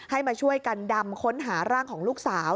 มาช่วยกันดำค้นหาร่างของลูกสาว